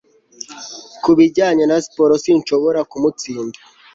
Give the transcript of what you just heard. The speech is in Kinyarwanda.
Ku bijyanye na siporo sinshobora kumutsinda